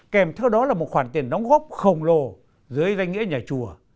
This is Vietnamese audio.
kèm theo đó là một khoản tiền đóng góp khổng lồ dưới danh nghĩa nhà chùa